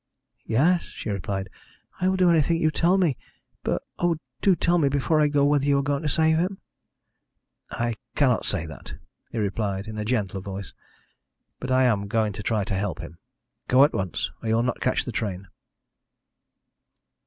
"Yes," she replied. "I will do anything you tell me. But, oh, do tell me before I go whether you are going to save him." "I cannot say that," he replied, in a gentler voice. "But I am going to try to help him. Go at once, or you will not catch the train."